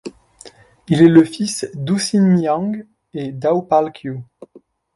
Il est le fils d'U Thin Myaing et Daw Pwal Kyu.